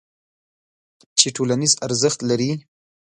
چې ټولنیز ارزښت لري.